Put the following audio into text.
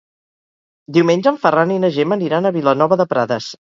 Diumenge en Ferran i na Gemma aniran a Vilanova de Prades.